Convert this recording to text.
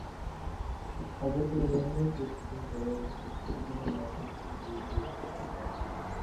অবসর গ্রহণের পর কিছুদিনের মধ্যেই তিনি গুরুতর অসুস্থ হয়ে পড়েন।